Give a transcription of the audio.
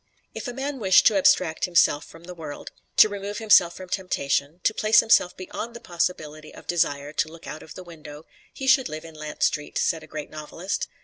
If a man wished to abstract himself from the world, to remove himself from temptation, to place himself beyond the possibility of desire to look out of the window, he should live in Lant Street, said a great novelist.